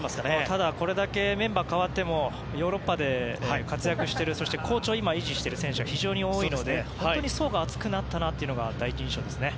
ただ、これだけメンバー変わってもヨーロッパで活躍して好調を維持している選手が非常に多いので層が厚くなったなというのが第一印象ですよね。